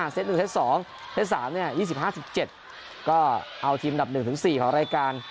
เซต๑เซต๒เซต๓๒๕๑๗ก็เอาทีมดับ๑๔ของรายการ